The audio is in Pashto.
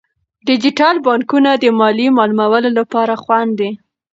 ډیجیټل بانکونه د مالي معاملو لپاره خوندي دي.